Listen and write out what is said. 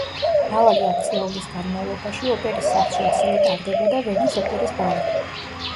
მრავალი ათწლეულის განმავლობაში ოპერის სახლში ასევე ტარდებოდა ვენის ოპერის ბალი.